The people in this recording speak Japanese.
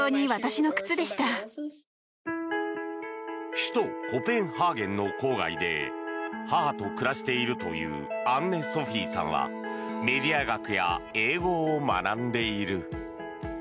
首都コペンハーゲンの郊外で母と暮らしているというアンネ・ソフィーさんはメディア学や英語を学んでいる。